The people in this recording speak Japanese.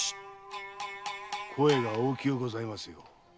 声が大きゅうございます。